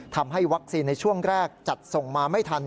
ทำให้วัคซีนในช่วงแรกจัดส่งมาไม่ทัน